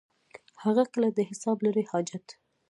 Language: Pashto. هغه کله د حساب لري حاجت.